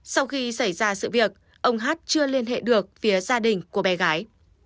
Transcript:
sau khi xảy ra sự việc ông hát chưa liên hệ được phía gia đình của bé gái